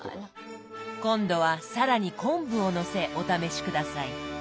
今度は更に昆布をのせお試し下さい。